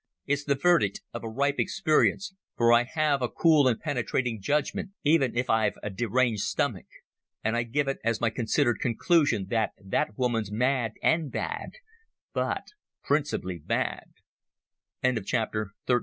It's the verdict of a ripe experience, for I have a cool and penetrating judgement, even if I've a deranged stomach. And I give it as my considered conclusion that that woman's mad and bad—but principally bad." CHAPTER XIV.